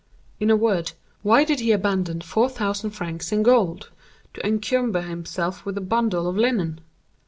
In a word, why did he abandon four thousand francs in gold to encumber himself with a bundle of linen?